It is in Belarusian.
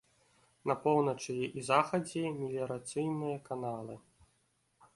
На поўначы і захадзе меліярацыйныя каналы.